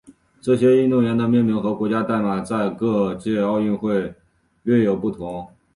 这些运动员的命名和国家代码在各届奥运会略有不同。